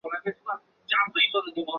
司马世云是司马纂的长子。